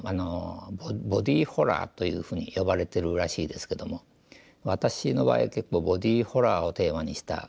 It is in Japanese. ボディーホラーというふうに呼ばれてるらしいですけども私の場合結構ボディーホラーをテーマにした作品が多いですね。